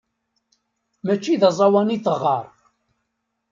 Mačči d aẓawan i teɣɣar.